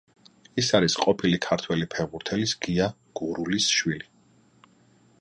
ის არის ყოფილი ქართველი ფეხბურთელის, გია გურულის შვილი.